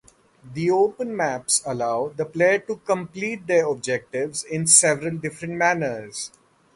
The open maps allow the player to complete their objectives in several different manners.